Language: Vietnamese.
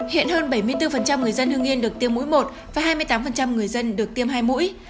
hiện hơn bảy mươi bốn người dân hương yên được tiêm mũi một và hai mươi tám người dân được tiêm hai mũi